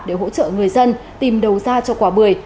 để hỗ trợ người dân tìm đầu ra cho quả bưởi